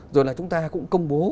rồi là chúng ta cũng công bố